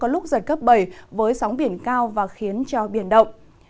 lúc giật cấp bảy với sóng biển cao và khiến cho biển động